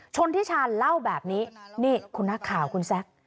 ชนทิชานเล่าแบบนี้นี่คุณนักข่าวคุณแซค